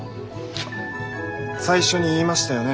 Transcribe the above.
最初に言いましたよね。